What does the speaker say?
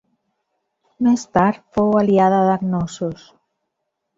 Més tard fou aliada de Cnossos.